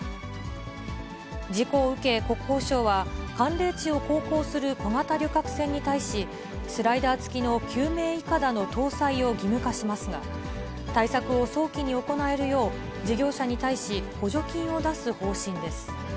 事故を受け、国交省は寒冷地を航行する小型旅客船に対し、スライダー付きの救命いかだの搭載を義務化しますが、対策を早期に行えるよう、事業者に対し、補助金を出す方針です。